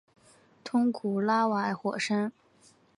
通古拉瓦火山。